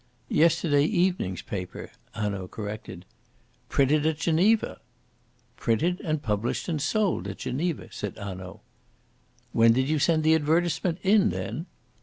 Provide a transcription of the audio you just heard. "Yesterday evening's paper," Hanaud corrected. "Printed at Geneva!" "Printed, and published and sold at Geneva," said Hanaud. "When did you send the advertisement in, then?"